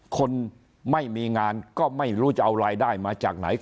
คนไม่มีงานก็ไม่รู้จะเอารายได้มาจากไหน